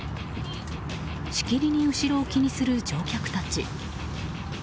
しきりに後ろを気にする乗客たち。